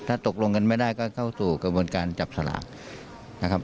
ถ้าตกลงกันไม่ได้ก็เข้าสู่กระบวนการจับสลากนะครับ